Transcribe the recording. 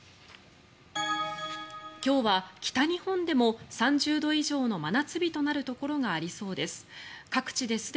今日は北日本でも３０度以上の真夏日となるところがありそうです。